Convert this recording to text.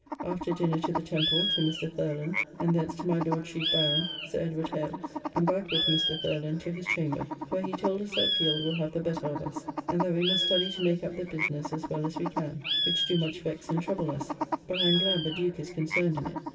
After dinner to the Temple, to Mr. Thurland; and thence to my Lord Chief Baron, Sir Edward Hale's, and back with Mr. Thurland to his chamber, where he told us that Field will have the better of us; and that we must study to make up the business as well as we can, which do much vex and trouble us: but I am glad the Duke is concerned in it.